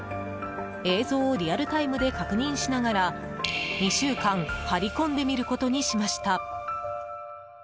映像をリアルタイムで確認しながら２週間張り込んでみることにしました。